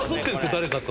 誰かと。